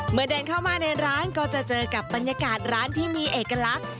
เดินเข้ามาในร้านก็จะเจอกับบรรยากาศร้านที่มีเอกลักษณ์